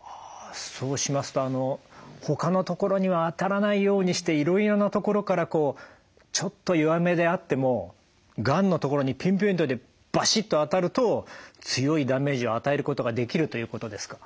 はそうしますとほかの所には当たらないようにしていろいろな所からこうちょっと弱めであってもがんの所にピンポイントでバシッと当たると強いダメージを与えることができるということですか？